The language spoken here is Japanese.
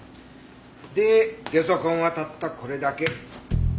でゲソ痕はたったこれだけ。